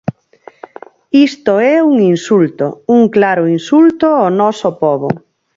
Isto é un insulto, un claro insulto ao noso pobo.